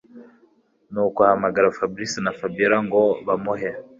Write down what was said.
nuko ahamagaza Fabric na Fabiora ngo bamuhe